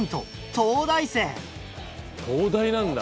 東大なんだ。